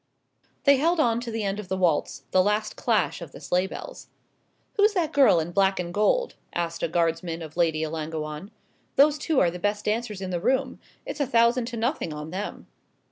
They held on to the end of the waltz the last clash of the sleigh bells. "Who's that girl in black and gold?" asked a Guardsman of Lady Ellangowan; "those two are the best dancers in the room it's a thousand to nothing on them."